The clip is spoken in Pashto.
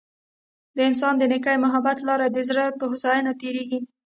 د انسان د نیکۍ او محبت لار د زړه په هوسايۍ تیریږي.